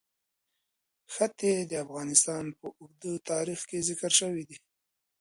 ښتې د افغانستان په اوږده تاریخ کې ذکر شوی دی.